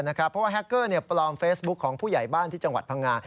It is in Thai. เพราะว่าแฮคเกอร์ปลอมเฟซบุ๊คของผู้ใหญ่บ้านที่จังหวัดพังงา